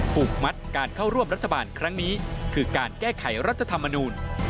ผูกมัดการเข้าร่วมรัฐบาลครั้งนี้คือการแก้ไขรัฐธรรมนูล